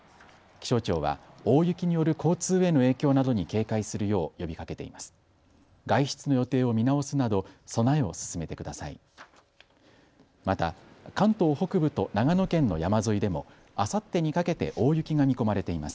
気象庁は大雪による交通への影響などに警戒するよう呼びかけています。